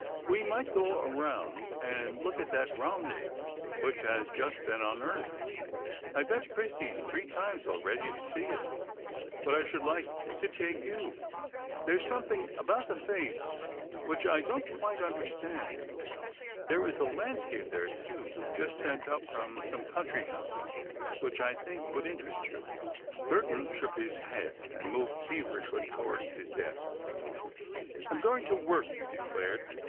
"We might go around and look at that Romney which has just been unearthed. I have been to Christie's three times already to see it, but I should like to take you. There's something about the face which I don't quite understand. There is a landscape there, too, just sent up from some country house, which I think would interest you." Burton shook his head and moved feverishly towards his desk. "I am going to work," he declared.